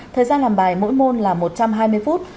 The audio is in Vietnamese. thời gian làm bài mỗi môn là một trăm hai mươi phút